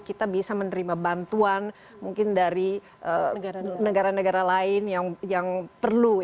kita bisa menerima bantuan mungkin dari negara negara lain yang perlu